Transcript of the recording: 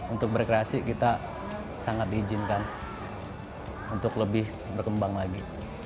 untuk berkreasi kita sangat diizinkan untuk lebih berkembang lagi